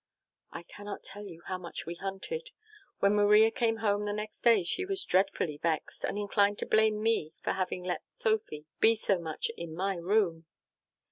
"I cannot tell you how we hunted. When Maria came home the next day she was dreadfully vexed, and inclined to blame me for having let Sophy be so much in my room.